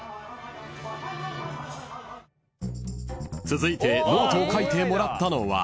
［続いてノートを書いてもらったのは］